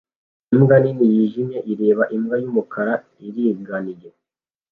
Imbwa nini yijimye ireba imbwa yumukara iringaniye